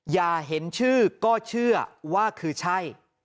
อย่าเห็นชื่อก็เชื่อว่าคือใช่